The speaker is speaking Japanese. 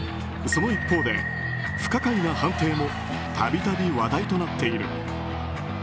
その一方で、不可解な判定も度々話題となっている。